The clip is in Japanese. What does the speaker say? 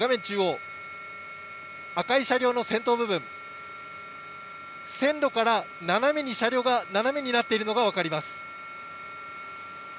中央、赤い車両の先頭部分、線路から車両が斜めになっているのが分かります。